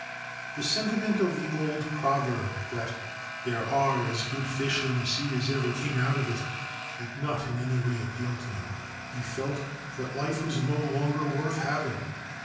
The sentiment of the old proverb that ' there are as good fish in the sea as ever came out of it ' did not in any way appeal to him. He felt that life was no longer worth having.